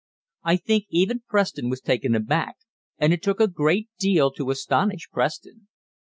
I think even Preston was taken aback and it took a great deal to astonish Preston.